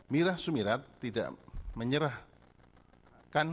mirah sumirat tidak menyerahkan